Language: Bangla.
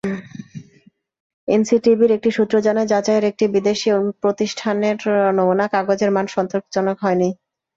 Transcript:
এনসিটিবির একটি সূত্র জানায়, যাচাইয়ে একটি বিদেশি প্রতিষ্ঠানের নমুনা কাগজের মান সন্তোষজনক হয়নি।